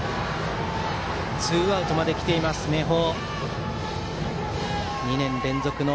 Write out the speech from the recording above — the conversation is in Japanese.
ツーアウトまで来ています、明豊。